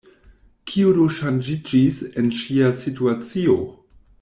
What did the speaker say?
Kio do ŝanĝiĝis en ŝia situacio?